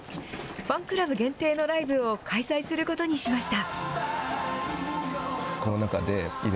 ファンクラブ限定のライブを開催することにしました。